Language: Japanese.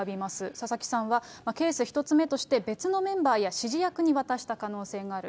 佐々木さんは、ケース１つ目として、別のメンバーや指示役に渡した可能性がある。